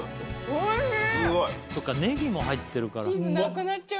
おいしい。